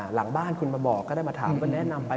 หลังบ้านคุณมาบอกก็ได้มาถามก็แนะนำไป